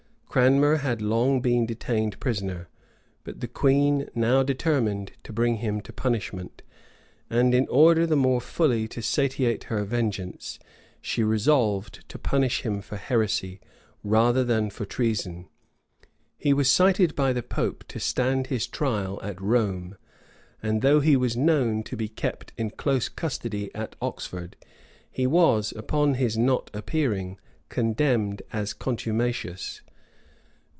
Cranmer had long been detained prisoner; but the queen now determined to bring him to punishment; and in order the more fully to satiate her vengeance, she resolved to punish him for heresy, rather than for treason. He was cited by the pope to stand his trial at Rome; and though he was known to be kept in close custody at Oxford, he was, upon his not appearing, condemned as contumacious.